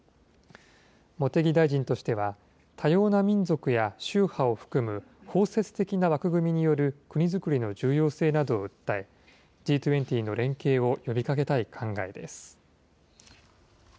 茂木大臣としては、多様な民族や宗派を含む包摂的な枠組みによる国づくりの重要性などを訴え、Ｇ２０の連携を呼びかけたい考えです。